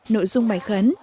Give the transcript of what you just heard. nội dung bài khấn